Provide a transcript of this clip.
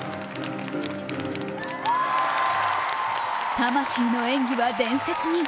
魂の演技は伝説に。